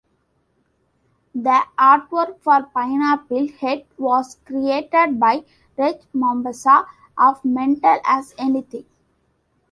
The artwork for "Pineapple Head" was created by Reg Mombassa of Mental As Anything.